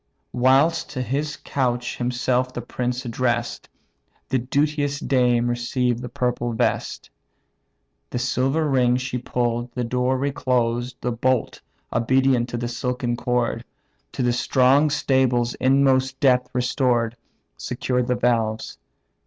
Whilst to his couch himself the prince address'd, The duteous dame received the purple vest; The purple vest with decent care disposed, The silver ring she pull'd, the door reclosed, The bolt, obedient to the silken cord, To the strong staple's inmost depth restored, Secured the valves.